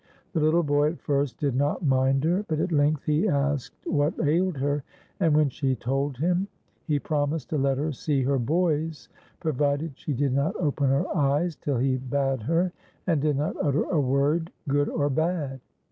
The httle boy at first did not mind her, but at length he asked what ailed her, and when she told him, he promised to let her see her boys, provided she did not open her e}'es till he bade her, and did not utter a word, good or bad.